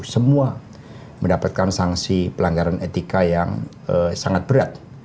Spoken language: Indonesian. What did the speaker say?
semua mendapatkan sanksi pelanggaran etika yang sangat berat